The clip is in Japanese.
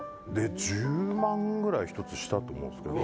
１０万ぐらい１つ、したと思うんですけど。